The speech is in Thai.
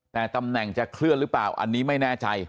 แต่ตำแหน่งจะเคลื่อนหรือเปล่าอันนี้ไม่แน่ใจ